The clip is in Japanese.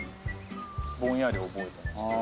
ぼんやり覚えてますね。